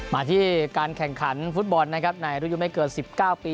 มาที่การแข่งขันฟุตบอลนะครับในรูปยุ่นไม่เกิดสิบเก้าปี